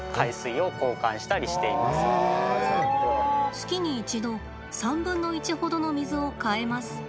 月に一度３分の１程の水を換えます。